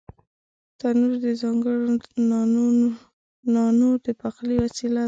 تنور د ځانگړو نانو د پخلي وسیله ده